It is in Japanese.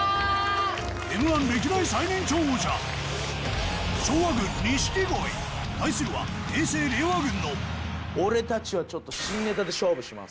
Ｍ−１歴代最年長王者対するは平成・令和軍の俺たちはちょっと新ネタで勝負します。